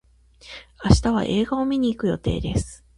明日は映画を見に行く予定です。